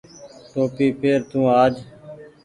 ٽوپي پير تو آج۔